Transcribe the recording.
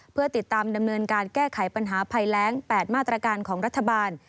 เพื่อติดตามดำเนินการแก้ไขปัญหาภัยแรง๘มาตรการของรัฐบาล